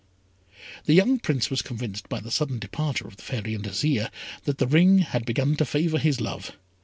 The young Prince was convinced by the sudden departure of the Fairy and Azire, that the ring had begun to favour his love.